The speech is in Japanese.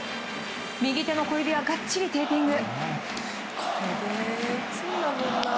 右手の小指はがっちりテーピング。